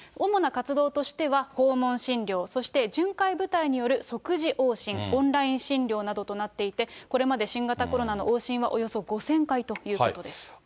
主な活動としては、訪問診療、そして巡回部隊による即時往診、オンライン診療などとなっていて、これまで新型コロナの往診はおよそ５０００回ということです。